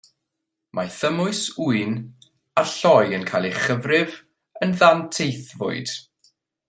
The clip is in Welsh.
Mae thymws ŵyn a lloi yn cael eu cyfrif yn ddanteithfwyd.